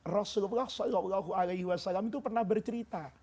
rasulullah saw itu pernah bercerita